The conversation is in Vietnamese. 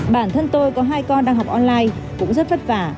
bản thân tôi có hai con đang học online cũng rất vất vả